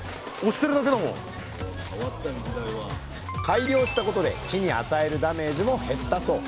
改良したことで木に与えるダメージも減ったそう。